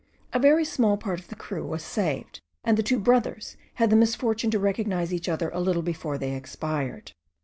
A very small part of the crew was saved, and the two brothers had the misfortune to recognize each other a little before they expired.